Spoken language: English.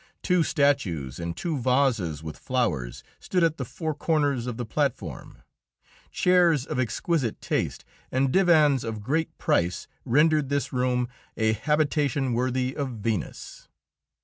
Two statues and two vases with flowers stood at the four corners of the platform; chairs of exquisite taste and divans of great price rendered this room a habitation worthy of Venus.